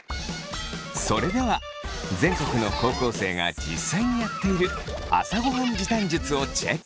それでは全国の高校生が実際にやっている朝ごはん時短術をチェック。